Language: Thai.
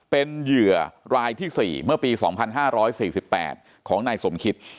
เป็นเหยื่อรายที่๔เมื่อปี๒๕๔๘ของนายสมคิต